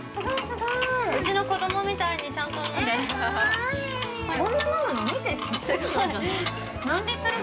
◆うちの子供みたいに、ちゃんと飲んでる。